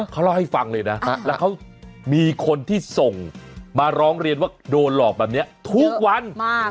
เขาเล่าให้ฟังเลยนะแล้วเขามีคนที่ส่งมาร้องเรียนว่าโดนหลอกแบบนี้ทุกวันมาก